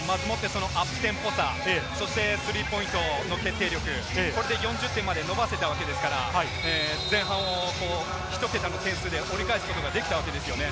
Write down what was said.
アップテンポさ、そしてスリーポイントの徹底力、４０点まで伸ばしたわけですから、前半をひと桁の点数で折り返すことができたわけですよね。